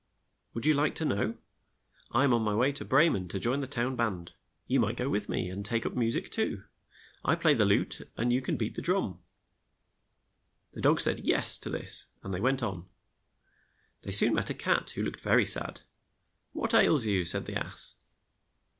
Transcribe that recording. "Would you like to know? I am on my way to Bre men to join the town band. You might go with me, and take up mu sic too. I will play the lute, and you can beat the drum." The dog said "Yes" to this, and they went on. They soon met a cat that looked very sad. "WTiat ails you?" said the ass.